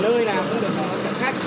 nơi nào cũng được đón chạm khách